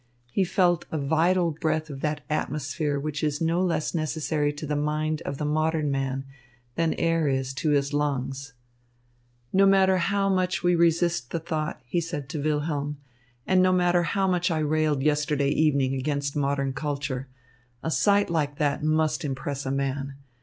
He felt a vital breath of that atmosphere which is no less necessary to the mind of the modern man than air is to his lungs. "No matter how much we resist the thought," he said to Wilhelm, "and no matter how much I railed yesterday evening against modern culture, a sight like that must impress a man.